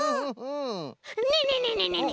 ねえねえねえねえねえ。